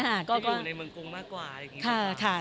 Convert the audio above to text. ที่อยู่ในเมืองกรุงมากกว่า